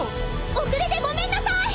遅れてごめんなさい！